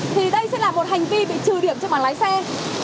thì đây sẽ là một hành vi bị trừ điểm cho bằng lái xe